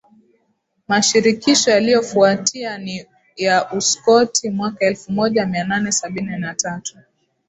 Mashirikisho yaliyofuatia ni ya Uskoti mwaka elfu moja mia nane sabini na tatu